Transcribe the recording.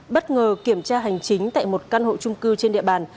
bất ngờ kiểm tra hành chính tại một căn hộ trung cư trên địa bàn